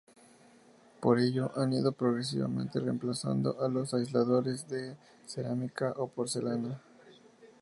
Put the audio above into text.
Por ello han ido progresivamente reemplazando a los aisladores de cerámica o porcelana.